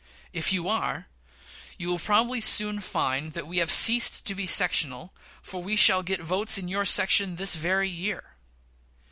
If you are, you will probably soon find that we have ceased to be sectional, for we shall get votes in your section this very year.